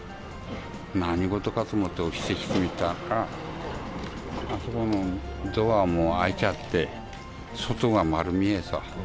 何事かと思って起きて来てみたら、あそこのドアも開いちゃって、外が丸見えさ。